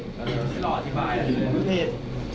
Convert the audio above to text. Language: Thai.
ผมผิด